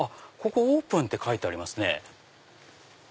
オープンって書いてありますね。